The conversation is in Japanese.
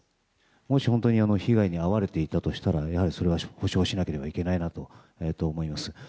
もし本当に被害に遭われていたとしたらやはり、それは補償しなければいけないなと思います。